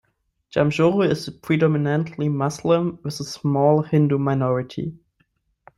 Jamshoro is predominantly Muslim with a small Hindu minority.